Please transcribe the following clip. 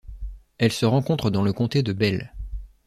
Elle se rencontre dans le comté de Bell.